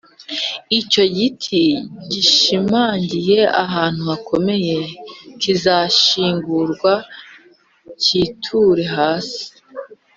icyo giti gishimangiye ahantu hakomeye kizashinguka, cyiture hasi,